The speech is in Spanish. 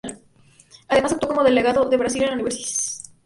Además actuó como delegado de Brasil en la Organización de las Naciones Unidas.